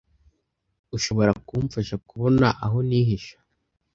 Ushobora kumfasha kubona aho nihisha?